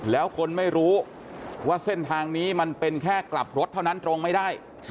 แล้วคนไม่รู้ว่าเส้นทางนี้มันเป็นแค่กลับรถเท่านั้นตรงไม่ได้